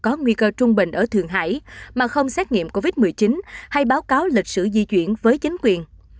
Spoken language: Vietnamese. có nguy cơ trung bình ở thượng hải mà không xét nghiệm covid một mươi chín hay báo cáo lịch sử di chuyển với chính quyền